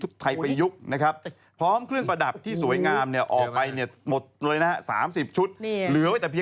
เดือดตราลอย่างเงี้ยดูสิ